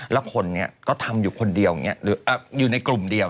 แล้วคนนี้ก็ทำอยู่คนเดียวอยู่ในกลุ่มเดียว